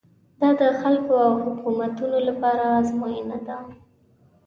دا د خلکو او حکومتونو لپاره ازموینه ده.